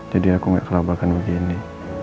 jadi aku gak kelabakan begini